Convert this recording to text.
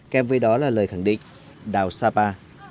kem với đó là lời khẳng định đào sapa